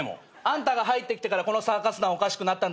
あんたが入ってきてからこのサーカス団おかしくなった。